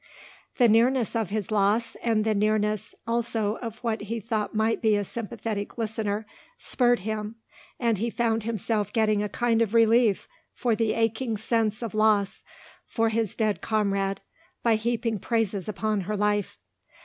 The nearness of his loss and the nearness also of what he thought might be a sympathetic listener spurred him and he found himself getting a kind of relief for the aching sense of loss for his dead comrade by heaping praises upon her life.